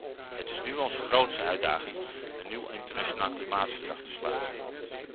Het is nu onze grootste uitdaging een nieuw internationaal klimaatverdrag te sluiten.